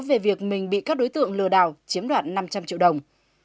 về việc mình bị các đối tượng lừa đảo chiếm đoạt năm trăm linh triệu đồng